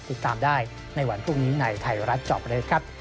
ติดตามได้ในวันพรุ่งนี้ในไทยรัฐจอบเรสครับ